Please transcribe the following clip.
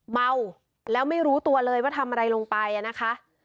เมาแล้วไม่รู้ตัวเลยว่าทำอะไรลงไปนะคะ